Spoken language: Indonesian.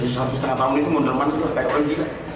ini satu setengah tahun itu mendermati pomg